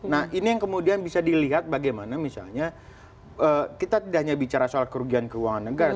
nah ini yang kemudian bisa dilihat bagaimana misalnya kita tidak hanya bicara soal kerugian keuangan negara